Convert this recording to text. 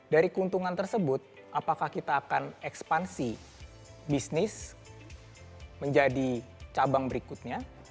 dari keuntungan tersebut apakah kita akan ekspansi bisnis menjadi cabang berikutnya